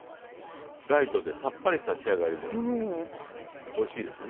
ライトでさっぱりした仕上がりでおいしいですよね。